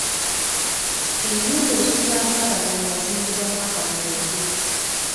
Ennyumba esulwamu abagenyi yazimbibwa mwaka guwedde